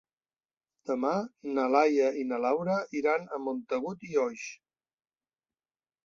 Demà na Laia i na Laura iran a Montagut i Oix.